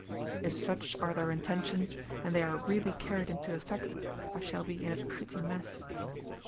If such are their intentions, and they are really carried into effect, I shall be in a pretty mess.